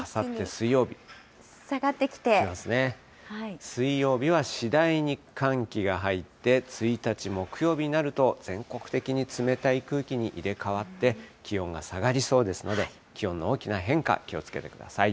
水曜日は次第に寒気が入って、１日木曜日になると、全国的に冷たい空気に入れ替わって、気温が下がりそうですので、気温の大きな変化、気をつけてください。